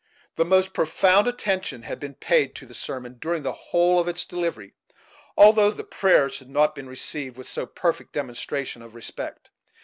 The most profound attention had been paid to the sermon during the whole of its delivery, although the prayers had not been received with so perfect demonstration of respect.